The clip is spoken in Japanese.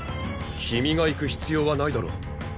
君が行く必要はないだろ。